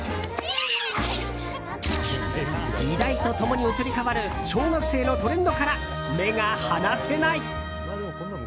時代と共に移り変わる小学生のトレンドから目が離せない！